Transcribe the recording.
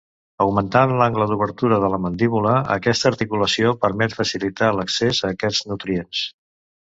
Augmentant l'angle d'obertura de la mandíbula, aquesta articulació permet facilitat l'accés a aquests nutrients.